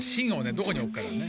どこにおくかだね。